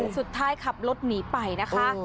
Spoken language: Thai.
สุดท้ายขับรถหนีไปนะคะ